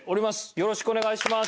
よろしくお願いします。